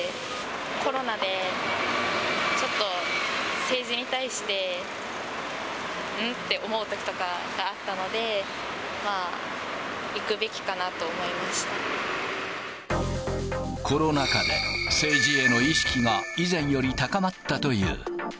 コロナでちょっと政治に対して、ん？って思うときがあったので、コロナ禍で、政治への意識が以前より高まったという。